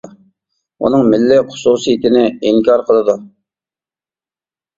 ئۇنىڭ مىللىي خۇسۇسىيىتىنى ئىنكار قىلىدۇ.